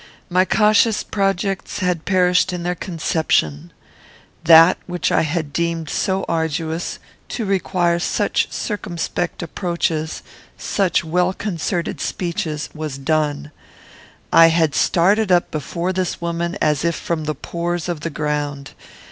My cautious projects had perished in their conception. That which I had deemed so arduous, to require such circumspect approaches, such well concerted speeches, was done. I had started up before this woman as if from the pores of the ground.